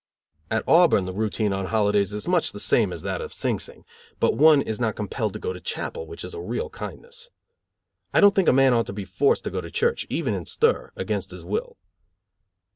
At Auburn the routine on holidays is much the same as that of Sing Sing; but one is not compelled to go to chapel, which is a real kindness. I don't think a man ought to be forced to go to church, even in stir, against his will.